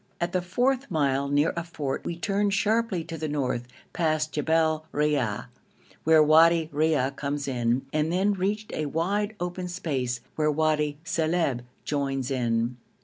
At the fourth mile, near a fort, we turned sharply to the north, past Jebel Riah, where Wadi Riah comes in, and then reached a wide open space, where Wadi Silib joins in.